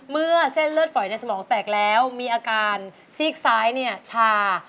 เมื่อเส้นเลือดฝอยในสมองแตกแล้วมีอาการซีกซ้ายชา